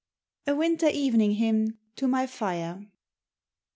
A WINTER EVENING HYMN TO MY FIRE.